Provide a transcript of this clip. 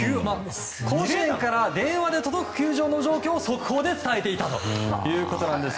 甲子園から電話で届く球場の状況を速報で伝えていたんです。